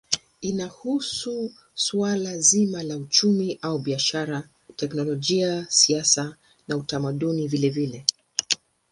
Inahusu suala zima la uchumi au biashara, teknolojia, siasa na utamaduni vilevile.